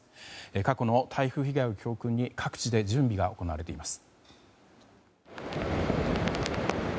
過去の台風被害を教訓に各地で準備が行われています。